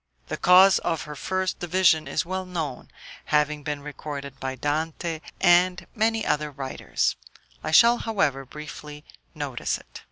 The cause of her first division is well known, having been recorded by Dante and many other writers; I shall, however, briefly notice it.